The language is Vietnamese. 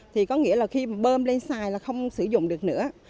thì có nghĩa là khi bơm lên sàn là không sử dụng được nữa